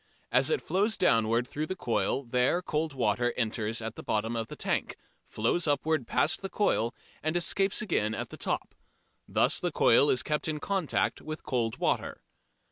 As it flows downwards through the coil there cold water enters at the bottom of the tank, flows upward past the coil and escapes again at the top. Thus the coil is kept in contact with cold water.